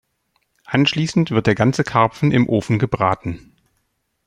Anschließend wird der ganze Karpfen im Ofen gebraten.